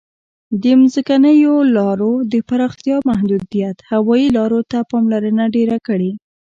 د ځمکنیو لارو د پراختیا محدودیت هوایي لارو ته پاملرنه ډېره کړې.